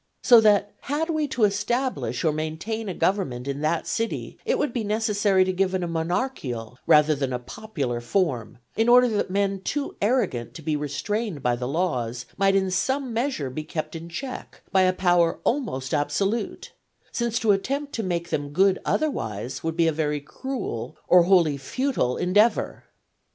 So that had we to establish or maintain a government in that city, it would be necessary to give it a monarchical, rather than a popular form, in order that men too arrogant to be restrained by the laws, might in some measure be kept in check by a power almost absolute; since to attempt to make them good otherwise would be a very cruel or a wholly futile endeavour.